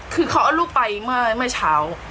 คือเขาเอาลูกไปเมื่อเช้า